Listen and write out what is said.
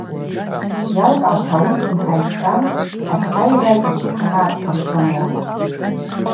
Йалкӏгӏата ауи йхӏальшан асайра йацхърагӏатӏ комсомол.